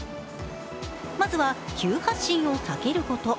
まずは急発進を避けること。